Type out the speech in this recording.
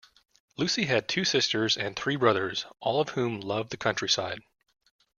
Lucy has two sisters and three brothers, all of whom love the countryside